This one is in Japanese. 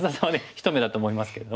ひと目だと思いますけれども。